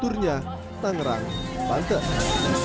turnya tangerang pantai